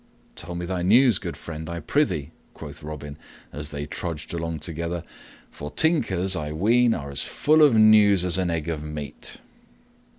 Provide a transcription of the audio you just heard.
"Tell me thy news, good friend, I prythee," quoth Robin as they trudged along together, "for tinkers, I ween, are all as full of news as an egg of meat."